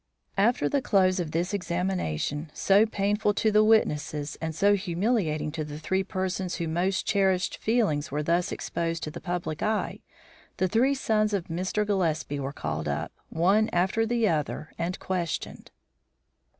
After the close of this examination, so painful to the witnesses and so humiliating to the three persons whose most cherished feelings were thus exposed to the public eye, the three sons of Mr. Gillespie were called up, one after the other, and questioned.